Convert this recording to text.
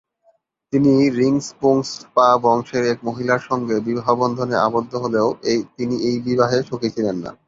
তিনি রিং-স্পুংস-পা বংশের এক মহিলার সঙ্গে বিবাহবন্ধনে আবদ্ধ হলেও তিনি এই বিবাহে সুখী ছিলেন না।